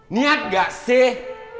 niat gak sih